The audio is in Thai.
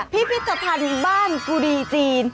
พิพิธภัณฑ์บ้านกุดีจีน